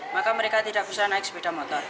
maka mereka tidak bisa naik sepeda motor